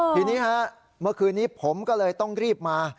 ทีนี้ฮะเมื่อคืนนี้ผมก็เลยต้องรีบมา